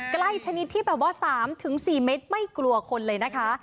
ชนิดที่แบบว่า๓๔เมตรไม่กลัวคนเลยนะคะ